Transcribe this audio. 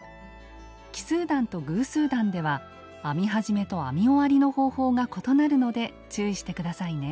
奇数段と偶数段では編み始めと編み終わりの方法が異なるので注意して下さいね。